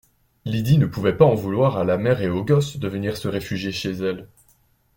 Lydie ne pouvait pas en vouloir à la mère et au gosse de venir se réfugier chez elle.